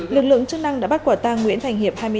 lực lượng chức năng đã bắt quả tang nguyễn thành hiệp